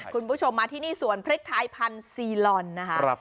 คุณผู้ชมมาที่นี่สวนพริกไทยพันธุ์ซีลอนนะคะ